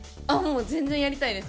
全然やりたいです